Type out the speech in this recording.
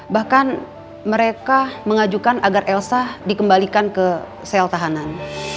bahkan mereka mengajukan agar elsa dikembalikan ke sel tahanan